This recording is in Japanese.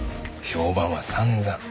評判は散々。